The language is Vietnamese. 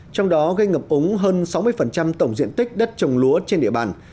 trong đó gây ngập ống hơn sáu mươi tổng diện tích đất trồng lúa trên địa bàn